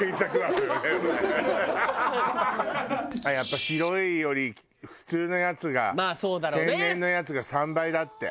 あっやっぱ白いより普通のやつが天然のやつが３倍だって。